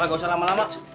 gak usah lama lama